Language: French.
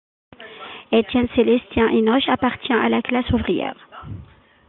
Étienne Célestin Enoch appartenait à la classe ouvrière.